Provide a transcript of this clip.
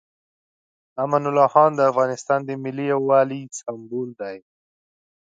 امان الله خان د افغانستان د ملي یووالي سمبول دی.